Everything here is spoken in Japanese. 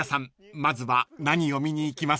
まずは何を見に行きますか？］